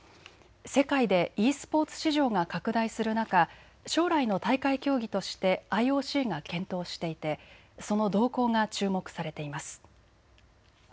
世界でｅスポーツ市場が拡大する中、将来の大会競技としてＩＯＣが検討していてその動向が注目されています。